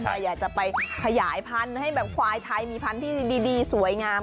ใครอยากจะไปขยายพันธุ์ให้แบบควายไทยมีพันธุ์ที่ดีสวยงาม